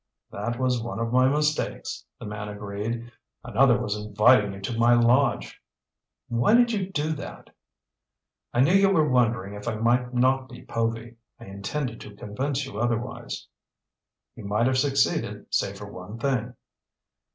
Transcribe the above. "That was one of my mistakes," the man agreed. "Another was inviting you to my lodge." "Why did you do that?" "I knew you were wondering if I might not be Povy. I intended to convince you otherwise." "You might have succeeded save for one thing."